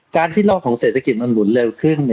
ที่โลกของเศรษฐกิจมันหมุนเร็วขึ้น